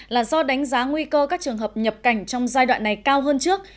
là do đánh giá nguy cơ các trường hợp nhập cảnh trong giai đoạn này cao hơn trước